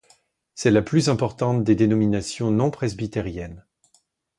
C'est la plus importante des dénominations non presbytériennes.